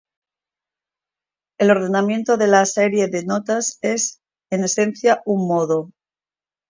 El ordenamiento de una serie de notas es, en esencia, un modo.